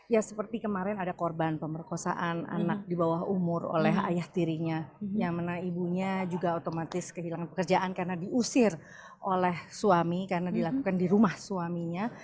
ya seperti kemarin ada korban pemerkosaan anak di bawah umur oleh ayah tirinya yang mana ibunya juga otomatis kehilangan pekerjaan karena diusir oleh suami karena dilakukan di rumah suaminya